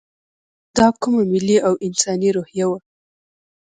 دا کومه ملي او انساني روحیه وه.